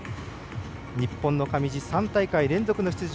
日本の上地、３大会連続の出場。